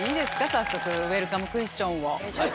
早速ウエルカムクエスチョンを。